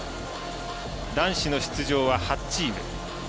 男子の出場は８チーム。